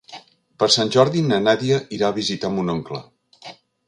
Per Sant Jordi na Nàdia irà a visitar mon oncle.